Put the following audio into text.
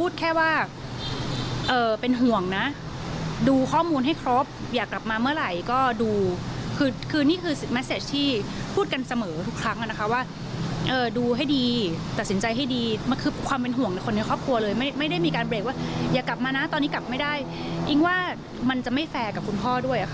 ตอนนี้กลับไม่ได้มันจะไม่แฟร์กับคุณพ่อด้วยค่ะ